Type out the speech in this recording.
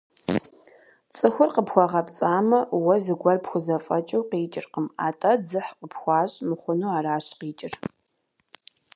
Цӏыхур къыпхуэгъэпцӏамэ, уэ зыгуэр пхузэфӏэкӏыу къикӏыркъым, атӏэ, дзыхь къыпхуащӏ мыхъуну аращ къикӏыр.